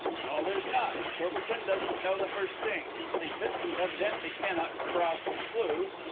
"No, there's not. Courbertin doesn't know the first thing. St. Vincent evidently cannot cross the slough.